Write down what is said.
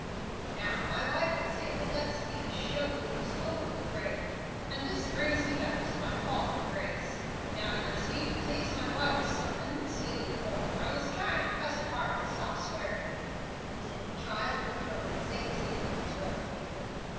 "Now my wife would say that that speech showed you was 'totally depraved.' And this brings me back to my 'fall from grace.' Now, yer see, to please my wife some and Miss Eulie more, I was tryin' cussed hard to stop swearin' " "Didn't you try a little for my sake, too?" interrupted Annie.